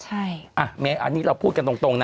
อันนี้เราพูดกันตรงนะ